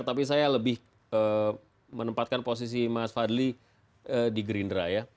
tapi saya lebih menempatkan posisi mas fadli di gerindra ya